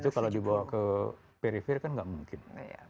itu kalau dibawa ke perifer kan nggak mungkin